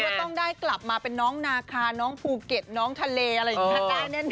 ก็ต้องได้กลับมาเป็นน้องนาคาน้องภูเก็ตน้องทะเลอะไรอย่างนี้ได้แน่นอ